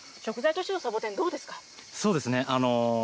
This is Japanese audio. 食材としてのサボテン、どうですか？